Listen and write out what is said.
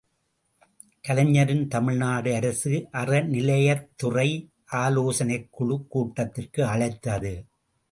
கலைஞரின் தமிழ்நாடு அரசு, அறநிலையத்துறை ஆலோசனைக் குழுக் கூட்டத்திற்கு அழைத்தது!